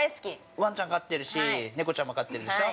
◆わんちゃん飼ってるし、猫ちゃんも飼ってるでしょう。